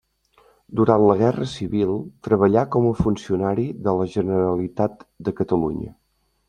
Durant la guerra civil treballà com a funcionari de la Generalitat de Catalunya.